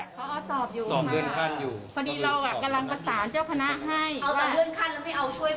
เอาแต่เรื่อนคันไม่เอาช่วยพระมันสาธารณะ